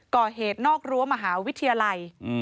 ก่อเหตุนอกรั้วมหาวิทยาลัย